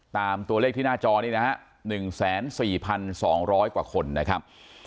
ตามตัวเลขที่หน้าจอนี้นะฮะ๑๔๒๐๐กว่าคนนะครับ